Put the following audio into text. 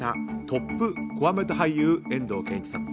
トップこわもて俳優遠藤憲一さん。